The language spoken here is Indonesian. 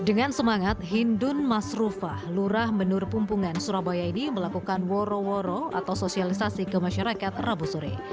dengan semangat hindun masrufah lurah menur pumpungan surabaya ini melakukan woro woro atau sosialisasi ke masyarakat rabu sore